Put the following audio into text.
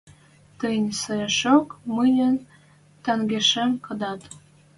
Тӹнь соэшок мӹньӹн тӓнгешем кодат.